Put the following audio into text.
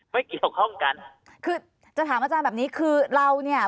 ไม่เกี่ยวข้องกันคือจะถามอาจารย์แบบนี้คือเราเนี่ย